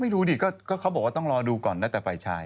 ดูดิก็เขาบอกว่าต้องรอดูก่อนนะแต่ฝ่ายชาย